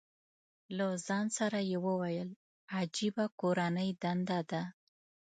له ځان سره یې وویل، عجیبه کورنۍ دنده ده.